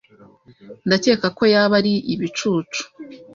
Ndakeka ko yaba ari ibicucu.